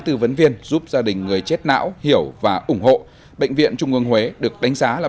tư vấn viên giúp gia đình người chết não hiểu và ủng hộ bệnh viện trung ương huế được đánh giá là